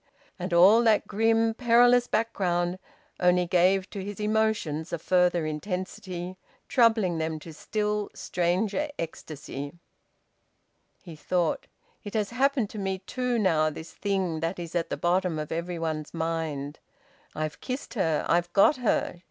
And all that grim, perilous background only gave to his emotions a further intensity, troubling them to still stranger ecstasy. He thought: "It has happened to me, too, now this thing that is at the bottom of everybody's mind! I've kissed her! I've got her!